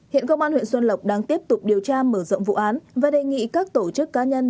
hiện công an huyện xuân lộc đang tiếp tục điều tra mở rộng vụ án và đề nghị các tổ chức cá nhân